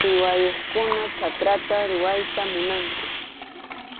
Uywayuqkuna chakrata rurayta munanku.